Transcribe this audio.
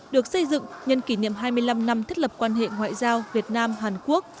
được xây dựng nhân kỷ niệm hai mươi năm năm thiết lập quan hệ ngoại giao việt nam hàn quốc